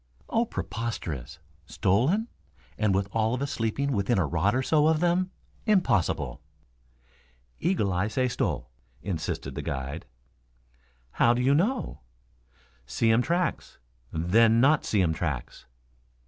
"Oh, preposterous! Stolen? And with all of us sleeping within a rod or so of them? Impossible." "Eagle eye say stole," insisted the guide. "How do you know?" "See um tracks, then not see um tracks."